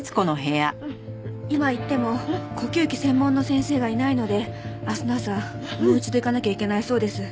今行っても呼吸器専門の先生がいないので明日の朝もう一度行かなきゃいけないそうです。